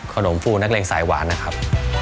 ฟูนักเลงสายหวานนะครับ